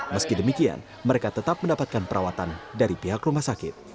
meski demikian mereka tetap mendapatkan perawatan dari pihak rumah sakit